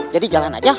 jadi jalan aja